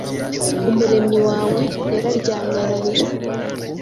Umuremyi wawe yararyamye ararira